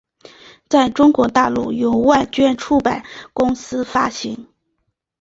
在中国大陆由万卷出版公司发行。